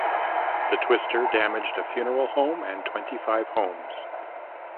The twister damaged a funeral home and twenty-five homes.